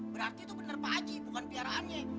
berarti itu benar pak haji bukan piharannya